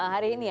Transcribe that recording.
hari ini pak